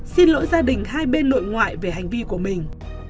xin lỗi gia đình hai bên nội ngoại về hành vi của mình